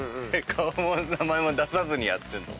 顔も名前も出さずにやってんの？